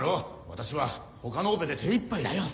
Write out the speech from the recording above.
私は他のオペで手いっぱいだよ。